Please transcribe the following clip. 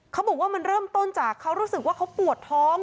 เขาบอกว่ามันเริ่มต้นจากเขารู้สึกว่าเขาปวดท้อง